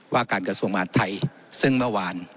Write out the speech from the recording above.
ว่าการตรศึกษ์ส่วนหมาศไทยซึ่งเมื่อวาน